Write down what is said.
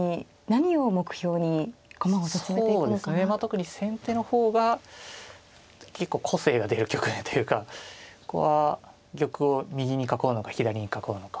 特に先手の方が結構個性が出る局面というかここは玉を右に囲うのか左に囲うのか。